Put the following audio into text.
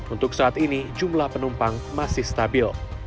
untuk saat ini jumlah penumpang masih stabil